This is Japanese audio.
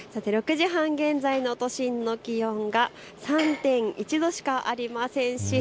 ６時半現在の都心の気温が３．１度しかありません。